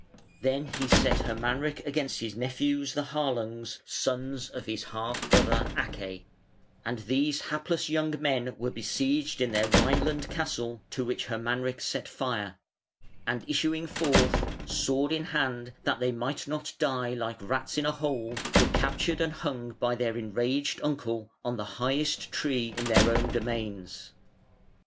Then he set Hermanric against his nephews, the Harlungs, sons of his half brother, Aké; and these hapless young men were besieged in their Rhine land castle, to which Hermanric set fire, and issuing forth, sword in hand, that they might not die like rats in a hole, were captured and hung by their enraged uncle on the highest tree in their own domains.